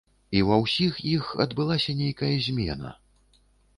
І ў ва ўсіх іх адбылася нейкая змена.